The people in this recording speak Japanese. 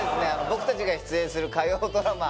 僕達が出演する火曜ドラマ